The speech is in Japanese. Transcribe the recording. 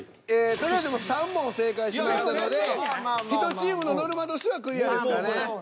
とりあえずでも３問正解しましたので１チームのノルマとしてはクリアですかね。